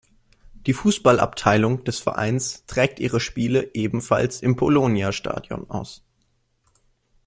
Die Fußballabteilung des Vereins trägt ihre Spiele ebenfalls im Polonia-Stadion aus.